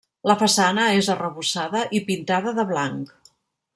La façana és arrebossada i pintada de blanc.